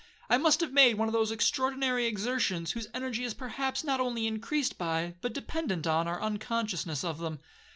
I must have made one of those extraordinary exertions, whose energy is perhaps not only increased by, but dependent on, our unconsciousness of them.